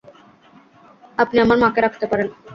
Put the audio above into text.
আপনি আমার মাকে রাখতে পারেন।